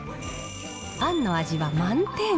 パンの味は満点。